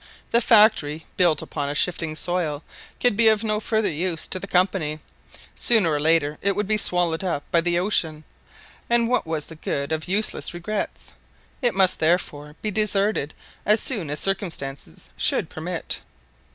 The factory, built upon a shifting soil, could be of no further use to the Company. Sooner or later it would be swallowed up by the ocean, and what was the good of useless regrets? It must, therefore, be deserted as soon as circumstances should permit.